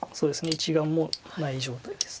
１眼もない状態です。